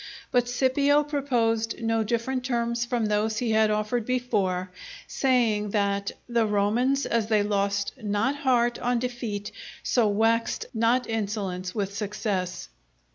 But Scipio proposed no different terms from those he had offered before saying that "_the Romans, as they lost not heart on defeat, so waxed not insolent with success.